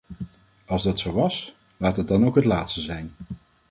Als dat zo was, laat het dan ook het laatste zijn.